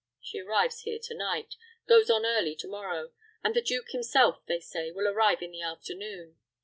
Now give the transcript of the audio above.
She arrives here to night; goes on early to morrow; and the duke himself, they say, will arrive in the afternoon.